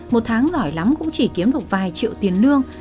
một tháng giỏi lắm cũng chỉ kiếm được vài triệu tiền lương